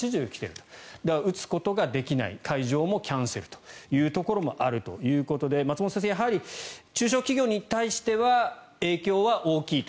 だから、打つことができない会場もキャンセルというところがあるということで松本先生やはり中小企業に対しては影響は大きいと。